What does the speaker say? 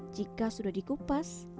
jika sudah dikupas